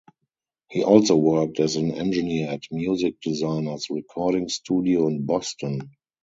He also worked as an engineer at Music Designers Recording Studio in Boston.